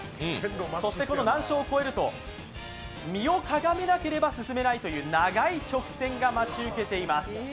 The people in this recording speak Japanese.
そしてこの難所を越えると身をかがめなければ進めないという長い直線が待ち受けています。